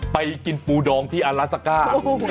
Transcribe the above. ไปกินปูดองที่อลาซาก้า